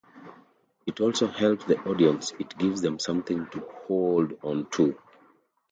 It also helps the audience, it gives them something to hold on to.